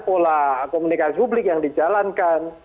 pola komunikasi publik yang dijalankan